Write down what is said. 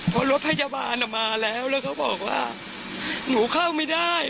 เพราะรถพยาบาลมาแล้วแล้วเขาบอกว่าหนูเข้าไม่ได้